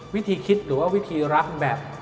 วิธีคิดหรือว่าวิธีรักแบบ